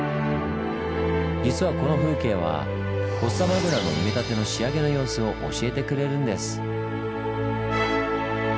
実はこの風景はフォッサマグナの埋め立ての仕上げの様子を教えてくれるんです。